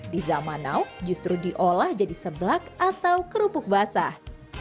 di zaman now justru diolah jadi seblak atau kerupuk basah